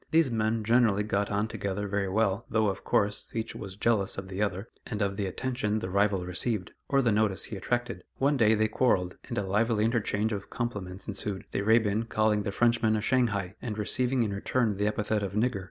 These men generally got on together very well, though, of course, each was jealous of the other, and of the attention the rival received, or the notice he attracted. One day they quarrelled, and a lively interchange of compliments ensued, the Arabian calling the Frenchman a "Shanghai," and receiving in return the epithet of "Nigger."